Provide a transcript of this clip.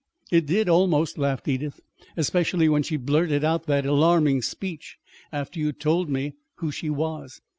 "It did almost," laughed Edith; "especially when she blurted out that alarming speech, after you'd told me who she was."